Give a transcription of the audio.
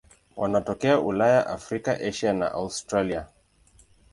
Wanatokea Ulaya, Afrika, Asia na Australia.